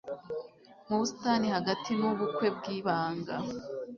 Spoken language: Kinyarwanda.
mu busitani bwo hagati ni ubukwe bwibanga